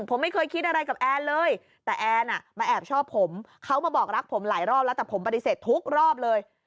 ผมไม่เคยคิดอะไรกับแอนเลยแต่แอนมาแอบชอบผมเขามาบอกรักผมหลายรอบแล้วแต่ผมปฏิเสธทุกรอบเลย